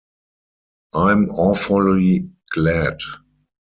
I'm awfully glad.